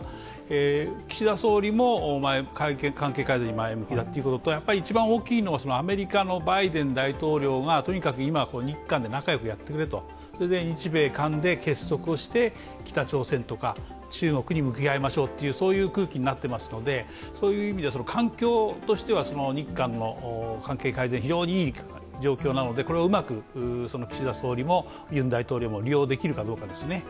岸田総理も関係改善に前向きだということと、１番大きいのはアメリカのバイデン大統領が日韓で仲良くやってくれと、日米韓で結束して北朝鮮とか中国に向き合いましょうという空気になっていますので環境としては日韓の関係改善、非常にいい状況なのでこれをうまく岸田総理もユン大統領も利用できるかどうかですね。